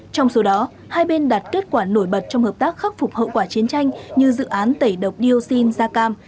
trong số đó hai bên đặt kết quả nổi bật trong hợp tác khắc phục hậu quả chiến tranh như dự án tẩy độc dioxin xacam